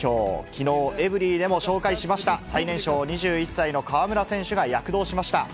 きのう、エブリィでも紹介しました、最年少、２１歳の河村選手が躍動しました。